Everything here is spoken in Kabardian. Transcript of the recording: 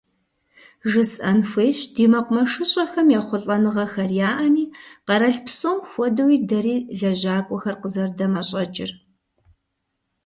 Жысӏэн хуейщ, ди мэкъумэшыщӏэхэм ехъулӏэныгъэхэр яӏэми, къэрал псом хуэдэуи, дэри лэжьакӏуэхэр къызэрыдэмэщӏэкӏыр.